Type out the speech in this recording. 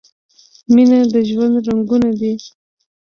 مینه د ژوند رنګونه دي.